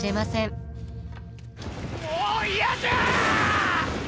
もう嫌じゃあ！